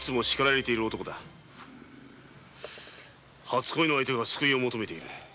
初恋の人が救いを求めている。